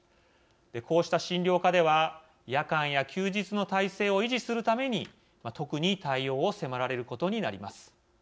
こうした診療科では夜間や休日の体制を維持するために特に対応を迫られることになります。